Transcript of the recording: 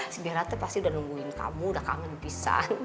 si bella tuh pasti udah nungguin kamu udah kangen pisan